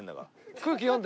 空気読んで。